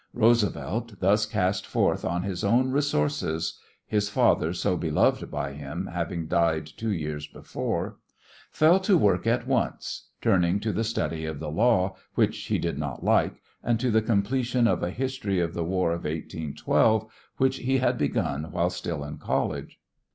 Roosevelt, thus cast forth on his own resources his father, so beloved by him, having died two years before fell to work at once, turning to the study of the law, which he did not like, and to the completion of a history of the War of 1812 which he had begun while still in college.